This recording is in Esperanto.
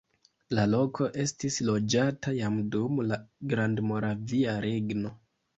La loko estis loĝata jam dum la Grandmoravia Regno.